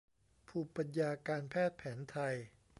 ภูมิปัญญาการแพทย์แผนไทย